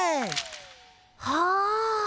はあ。